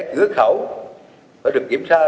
cửa khẩu phải được kiểm tra